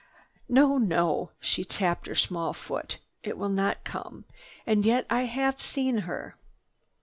"No, no!" She tapped her small foot. "It will not come. And yet I have seen her!"